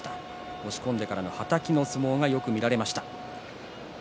押し込んでもはたきの相撲がよく見られました。